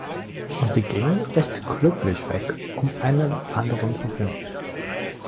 Und sie gingen recht glücklich weg, um einen anderen zu finden.